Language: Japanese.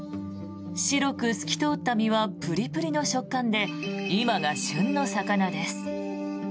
白く透き通った身はプリプリの食感で今が旬の魚です。